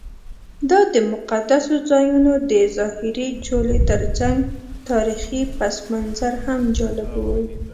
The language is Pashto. دا د مقدسو ځایونو د ظاهري جولې ترڅنګ تاریخي پسمنظر هم جالب و.